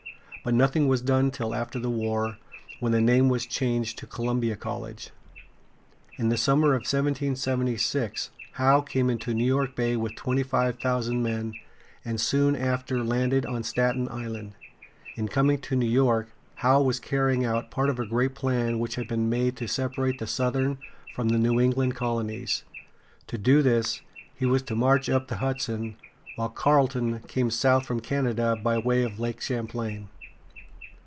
But nothing was done till after the war, when the name was changed to Columbia College. In the summer of 1776 Howe came into New York Bay with twenty five thousand men, and soon after landed on Stat´en Island. In coming to New York, Howe was carrying out part of a great plan which had been made to separate the southern from the New England colonies. To do this, he was to march up the Hudson, while Carleton came south from Canada by way of Lake Champlain.